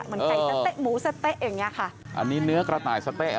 เหมือนไก่สะเต๊ะหมูสะเต๊ะอย่างเงี้ยค่ะอันนี้เนื้อกระต่ายสะเต๊ะ